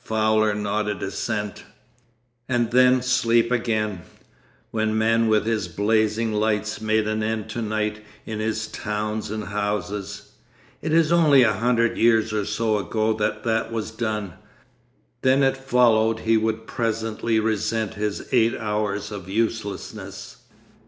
Fowler nodded assent. 'And then sleep again. When man with his blazing lights made an end to night in his towns and houses—it is only a hundred years or so ago that that was done—then it followed he would presently resent his eight hours of uselessness.